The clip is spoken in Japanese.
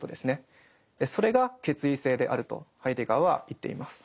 それが「決意性」であるとハイデガーは言っています。